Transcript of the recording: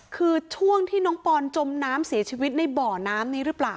คือช่วงที่น้องปอนจมน้ำเสียชีวิตในบ่อน้ำนี้หรือเปล่า